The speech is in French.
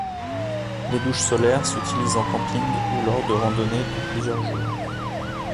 Les douches solaires s'utilisent en camping ou lors de randonnée de plusieurs jours.